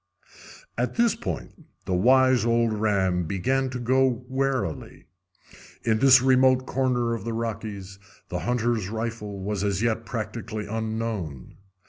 At this point the wise old ram began to go warily. In this remote corner of the Rockies the hunter's rifle was as yet practically unknown.